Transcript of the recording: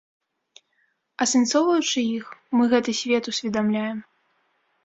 Асэнсоўваючы іх, мы гэты свет усведамляем.